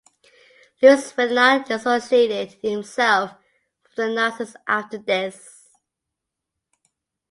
Louis Ferdinand dissociated himself from the Nazis after this.